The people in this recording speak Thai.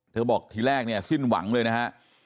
บอกทีแรกเนี่ยสิ้นหวังเลยนะฮะ